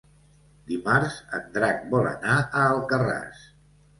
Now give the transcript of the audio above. Dimarts en Drac vol anar a Alcarràs.